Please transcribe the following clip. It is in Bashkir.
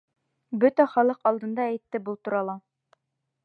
Бөтә халыҡ алдында әйтте был турала!